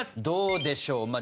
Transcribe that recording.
どうでしょう？